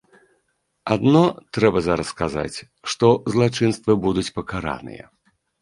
Адно, трэба зараз казаць, што злачынствы будуць пакараныя.